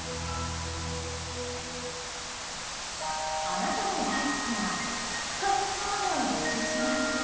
あなたの大好きなキク科の草花を募集します。